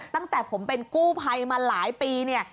ตั้งแต่ผมเป็นกู้ไพรมาหลายปี